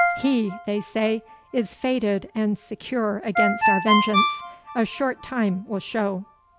HE, they say, is fated and secure against our vengeance a short time will show."